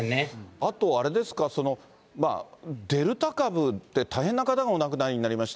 あと、あれですか、デルタ株って、大変な方がお亡くなりになりました。